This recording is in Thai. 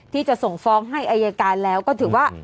ที่จะส่งฟ้องให้อายการแล้วก็ถือว่า